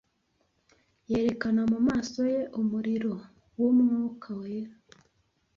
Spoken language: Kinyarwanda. yerekana mumaso ye umuriro wumwuka wera